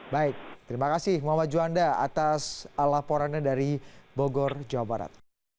baik terima kasih muhammad juanda atas laporannya dari bogor jawa barat